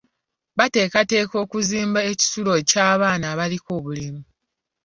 Bateekateeka okuzimba ekisulo ky'abaana abaliko obulemu.